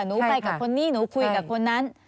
หนูไปกับคนนี้หนูคุยกับคนนั้น